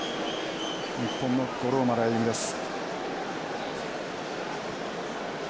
日本の五郎丸歩です。